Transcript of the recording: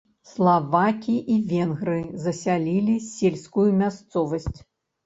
Славакі і венгры засялілі сельскую мясцовасць.